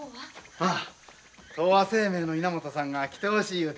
ああ東和生命の稲本さんが来てほしい言うてくれてね。